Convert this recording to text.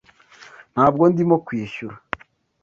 Ntabwo ndimo kwishyura.